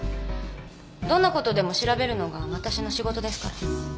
どんなことでも調べるのがわたしの仕事ですから。